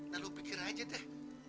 lalu pikir aja deh